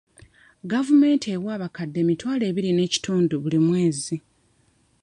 Gavumenti ewa abakadde emitwalo ebiri n'ekitundu buli mwezi.